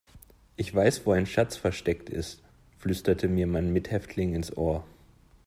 Ich weiß, wo ein Schatz versteckt ist, flüsterte mir mein Mithäftling ins Ohr.